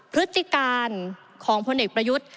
พฤติการของพลเอกประยุทธ์